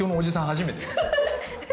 初めて？え？